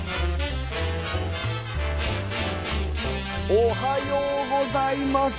おはようございます。